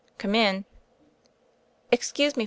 "Come in." "Excuse me.